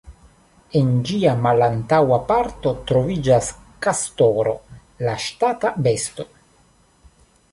En ĝia malantaŭa parto troviĝas kastoro, la ŝtata besto.